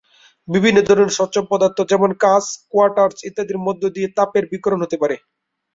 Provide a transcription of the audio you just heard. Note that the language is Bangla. বিভিন্ন ধরনের স্বচ্ছ পদার্থ যেমন- কাচ, কোয়ার্টজ ইত্যাদির মধ্য দিয়েও তাপের বিকিরণ হতে পারে।